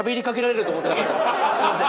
すいません。